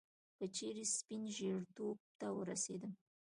که چیري سپين ژیرتوب ته ورسېدم